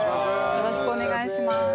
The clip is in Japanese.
よろしくお願いします。